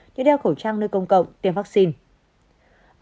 như đeo khẩu trang nơi công cộng tiêm vaccine